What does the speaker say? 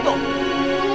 tunggu pak man